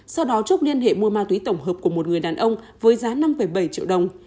sau đó trúc liên hệ mua ma túy tổng hợp của một người đàn ông với giá năm bảy triệu đồng